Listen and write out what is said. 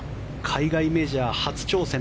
海外メジャー初挑戦。